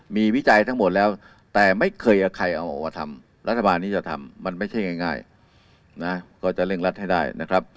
มีวิจัยทั้งหมดแล้วแต่ไม่เคยใครเอาออกมาทำรัฐบาลนี้จะทำมันไม่ใช่ง่ายนะก็จะเร่งรัดให้ได้นะครับ